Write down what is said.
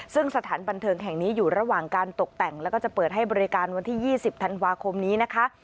ซึ่งสถานบันเทิงแห่งนี้อยู่ระหว่างการตกแต่งแล้วก็จะเปิดให้บริการวันที่๒๐ธันวาคมนี้นะคะ